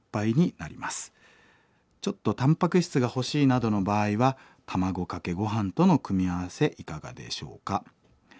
ちょっとたんぱく質が欲しいなどの場合は卵かけごはんとの組み合わせいかがでしょうか？